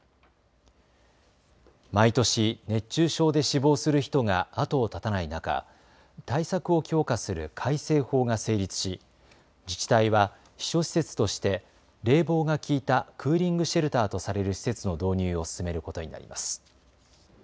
毎年、熱中症で死亡する人が後を絶たない中、対策を強化する改正法が成立し自治体は避暑施設として冷房が効いたクーリングシェルターとされる施設の導入を進めることになります。